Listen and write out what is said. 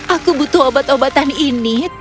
aku butuh obat obatan ini